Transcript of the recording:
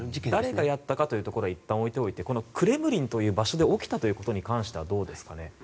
誰がやったかは置いておいてクレムリンという場所で起きたということに関してはどうですか。